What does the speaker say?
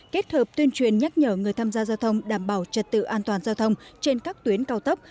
kết hợp tuyên truyền nhắc nhở người tham gia giao thông đảm bảo trật tự an toàn giao thông trên các tuyến cao tốc